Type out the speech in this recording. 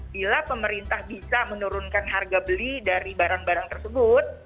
bila pemerintah bisa menurunkan harga beli dari barang barang tersebut